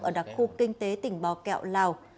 ở đặc khu kinh tế tỉnh bò kẹo lào